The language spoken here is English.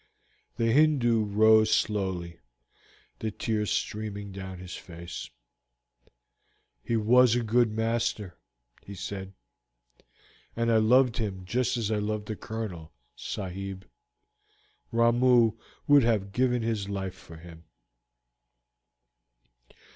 The Hindoo rose slowly, the tears streaming down his face. "He was a good master," he said, "and I loved him just as I loved the Colonel, sahib. Ramoo would have given his life for him."